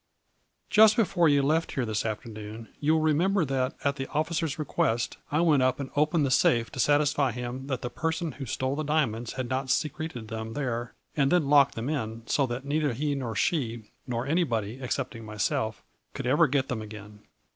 "Just before you left here this afternoon you will remember that, at the officer's request, I went up and opened the safe, to satisfy him that the person who stole the diamonds had not secreted them there and then locked them in, so that neither he nor she nor anybody, except ing myself, could ever get them again.